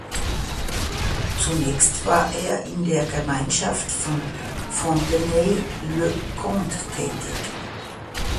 Zunächst war er in der Gemeinschaft von Fontenay-le-Comte tätig.